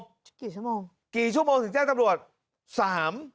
กี่ชั่วโมงกี่ชั่วโมงถึงแจ้งตำรวจสาม